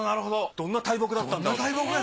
どんな大木やったんやいう話。